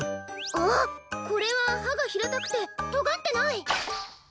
あっこれははがひらたくてとがってない！